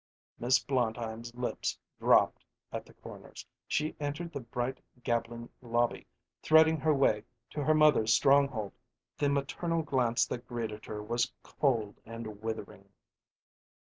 Miss Blondheim's lips drooped at the corners. She entered the bright, gabbling lobby, threading her way to her mother's stronghold. The maternal glance that greeted her was cold and withering.